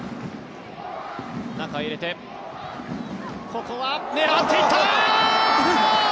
中へ入れてここは狙っていった！